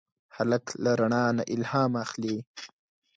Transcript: هلک له رڼا نه الهام اخلي.